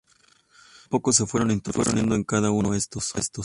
Poco a poco se fueron introduciendo en cada uno estos.